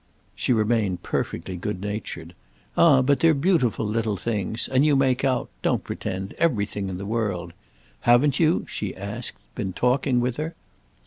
She remained perfectly good natured. "Ah but they're beautiful little things, and you make out—don't pretend—everything in the world. Haven't you," she asked, "been talking with her?"